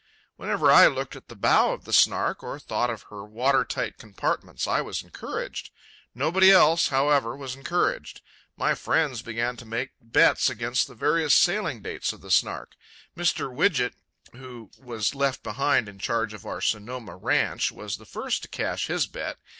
Whenever I looked at the bow of the Snark or thought of her water tight compartments, I was encouraged. Nobody else, however, was encouraged. My friends began to make bets against the various sailing dates of the Snark. Mr. Wiget, who was left behind in charge of our Sonoma ranch was the first to cash his bet.